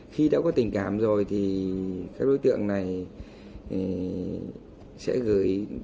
khi đã có tình cảm rồi thì các đối tượng này sẽ gửi